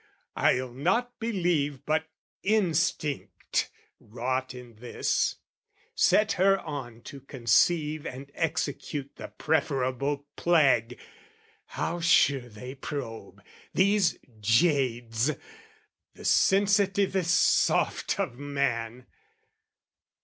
I'll not believe but instinct wrought in this, Set her on to conceive and execute The preferable plague...how sure they probe, These jades, the sensitivest soft of man!